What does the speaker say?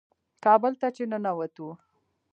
کابل ته چې ننوتو.